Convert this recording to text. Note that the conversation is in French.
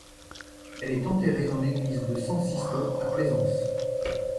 Elle est enterrée dans l'église de San Sisto à Plaisance.